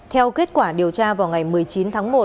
theo kết quả điều tra vào ngày một mươi chín tháng một